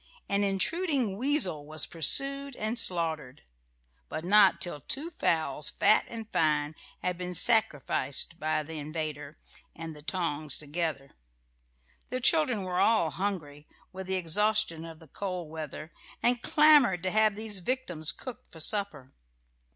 An intruding weasel was pursued and slaughtered; but not till two fowls, fat and fine, had been sacrificed by the invader and the tongs together. The children were all hungry, with the exhaustion of the cold weather, and clamoured to have these victims cooked for supper.